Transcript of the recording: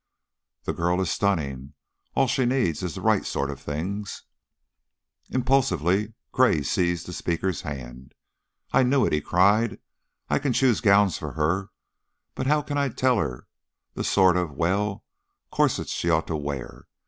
"The girl is stunning. All she needs is the right sort of things " Impulsively Gray seized the speaker's hand. "I knew it!" he cried. "I can choose gowns for her, but how can I tell her the sort of well, corsets she ought to wear?